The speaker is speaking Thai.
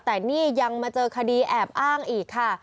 แต่นี่ยังมาเจอคดีแอบอ้างอีกค่ะ